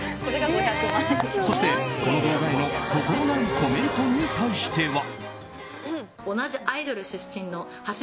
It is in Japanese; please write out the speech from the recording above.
そして、この動画への心無いコメントに対しては。